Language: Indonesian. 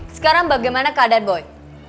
sekarang bagaimana keadaan boy